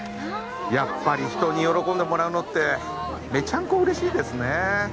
やっぱり人に喜んでもらうのってメチャンコ嬉しいですねえ